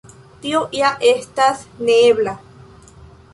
Tio ja estas neebla.